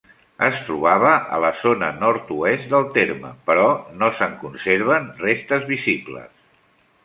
Es trobava a la zona nord-oest del terme, però no se'n conserven restes visibles.